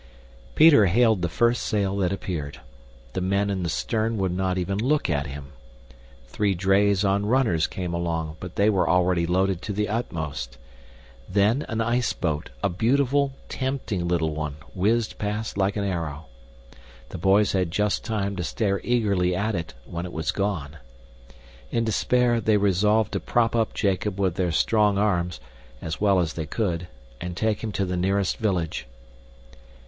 Peter hailed the first sail that appeared. The men in the stern would not even look at him. Three drays on runners came along, but they were already loaded to the utmost. Then an iceboat, a beautiful, tempting little one, whizzed past like an arrow. The boys had just time to stare eagerly at it when it was gone. In despair, they resolved to prop up Jacob with their strong arms, as well as they could, and take him to the nearest village.